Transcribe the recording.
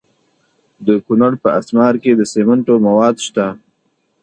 د کونړ په اسمار کې د سمنټو مواد شته.